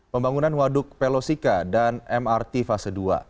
pembangunan waduk pelosika dan mrt fase dua